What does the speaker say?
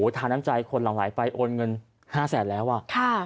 ทาน้ำใจคนหลั่งไหลไปโอนเงิน๕แสนแล้วอ่ะค่ะ